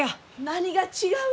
・何が違う？